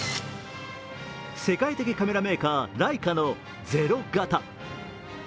世界的カメラメーカー、ライカの０型。